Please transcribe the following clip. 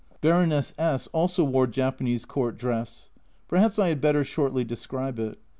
Baroness S also wore Japanese court dress. Perhaps I had better shortly describe it.